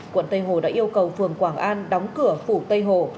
quận tây hồ đã yêu cầu phường quảng an đóng cửa phủ tây hồ